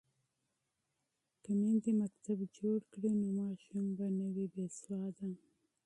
که میندې مکتب جوړ کړي نو ماشوم به نه وي بې سواده.